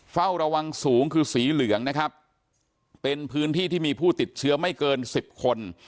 เฝ้าระวังสูงคือสีเหลืองนะครับเป็นพื้นที่ที่มีผู้ติดเชื้อไม่เกินสิบคน